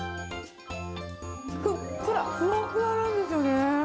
ふっくら、ふわふわなんですよね。